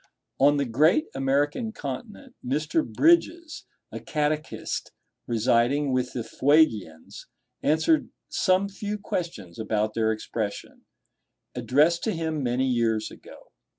On the great American continent Mr. Bridges, a catechist residing with the Fuegians, answered some few questions about their expression, addressed to him many years ago.